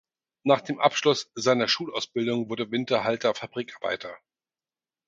Nach dem Abschluss seiner Schulausbildung wurde Winterhalter Fabrikarbeiter.